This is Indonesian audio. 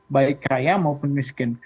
baik kaya maupun miskin